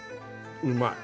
うまい！